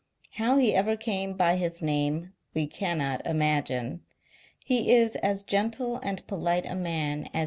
How he ever came by his name, we cannot imagine. He is as gentle and polite a man as M.